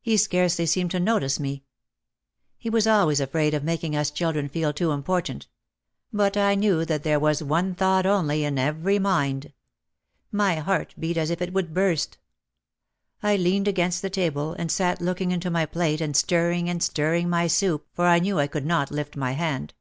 He scarcely seemed to notice OUT OF THE SHADOW 207 me. He was always afraid of making us children feel too important. But I knew that there was one thought only in every mind. My heart beat as if it would burst. I leaned against the table and sat looking into my plate and stirring and stirring my soup for I knew I could not lift my hand.